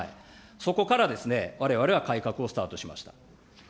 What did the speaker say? そこからわれわれは改革をスタートしました。